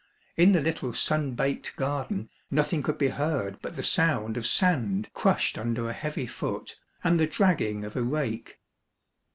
In the little sun baked garden nothing could be heard but the sound of sand crushed under a heavy foot, and the dragging of a rake.